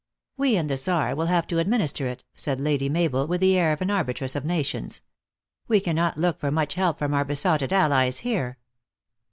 " We and the Czar will have to administer it," said Lady Mabel, with the air of an arbitress of nations. " We cannot look for much help from our besotted allies here."